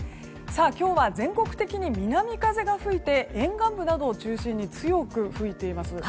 今日は全国的に南風が吹いて沿岸部などを中心に強く吹いています。